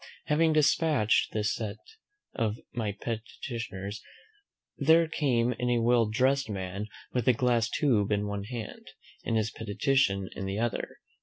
Having despatched this set of my petitioners, there came in a well dressed man with a glass tube in one hand, and his petition in the other.